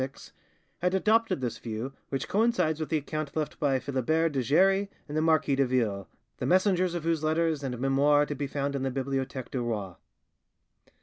6), had adopted this view, which coincides with the accounts left by Philibert de Jarry and the Marquis de Ville, the MSS. of whose letters and 'Memoires' are to be found in the Bibliotheque du Roi.